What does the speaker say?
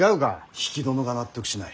比企殿が納得しない。